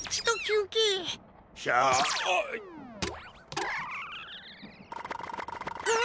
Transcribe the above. うわ！